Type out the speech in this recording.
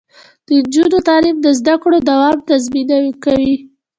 د نجونو تعلیم د زدکړو دوام تضمین کوي.